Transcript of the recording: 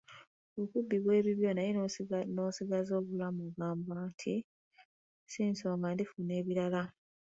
Okubbibwa ebibyo naye n’osigaza obulamu ogamba nti si nsonga ndifuna ebirala.